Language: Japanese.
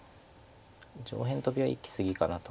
上辺トビはいき過ぎかなと。